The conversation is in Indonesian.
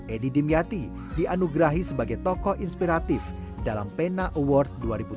edi dimyati dianugerahi sebagai tokoh inspiratif dalam pena award dua ribu tujuh belas